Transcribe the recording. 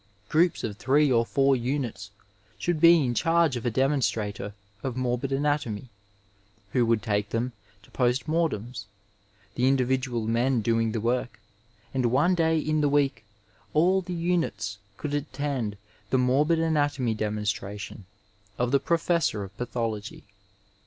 Groups of three or four units should be in charge of a demonstrator of morbid anatomy, who would take them to postmortems, the individual men doing the work, and one day in the week all the units could attend the morbid anatomy demon stration of the professor of pathology.